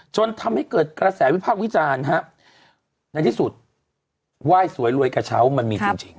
จนทำให้เกิดกระแสวิพากษ์วิจารณ์ฮะในที่สุดไหว้สวยรวยกระเช้ามันมีจริง